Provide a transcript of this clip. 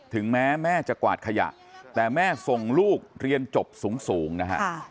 ถึงแม้แม่จะกวาดขยะแต่แม่ส่งลูกเรียนจบสูงนะฮะ